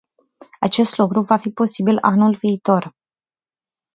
Acest lucru va fi posibil anul viitor.